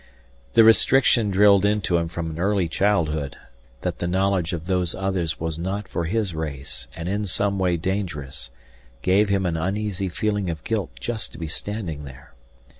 The restriction drilled into him from early childhood, that the knowledge of Those Others was not for his race and in some way dangerous, gave him an uneasy feeling of guilt just to be standing there.